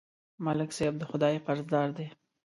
ملک صاحب د خدای قرضدار دی.